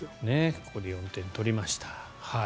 ここで４点取りました。